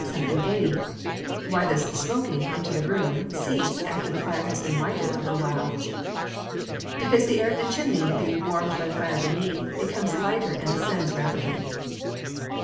680. Why does the smoking (into the room) cease, after the fire has been lighted a little while? Because the air in the chimney, being warmed by the fire beneath, becomes lighter and ascends rapidly.